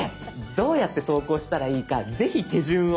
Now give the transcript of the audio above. どうやって投稿したらいいかぜひ手順を。